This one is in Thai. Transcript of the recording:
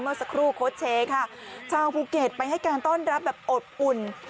เมื่อสักครู่โค้ชเชค่ะชาวภูเก็ตไปให้การต้อนรับแบบอบอุ่น